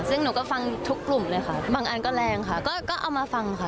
ซึ่งหนูก็ฟังทุกกลุ่มเลยค่ะบางอันก็แรงค่ะก็เอามาฟังค่ะ